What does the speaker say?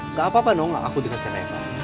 nggak apa apa dong aku deketin reva